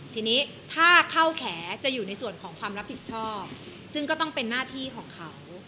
ทีนี้ถ้าเข้าแขจะอยู่ในส่วนของความรับผิดชอบซึ่งก็ต้องเป็นหน้าที่ของเขา